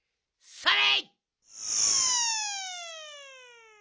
それ！